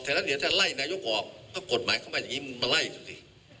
งั้นเดี๋ยวถ้าไล่นายกออกก็กฎหมายเข้ามาอย่างนี้มึงมาไล่ดูสิ